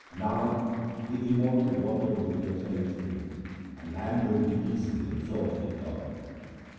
Nanak, the immortal water will be obtained from him, and man will be easily absorbed in God.